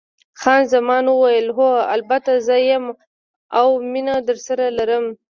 خان زمان وویل: هو، البته زه یم، اوه، مینه درسره لرم.